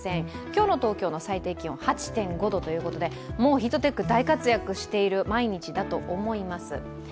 今日の東京の最低気温８．５度ということでもうヒートテック大活躍している毎日だと思います。